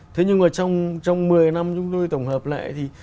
thế nhưng mà trong một mươi năm chúng tôi tổng hợp lại thì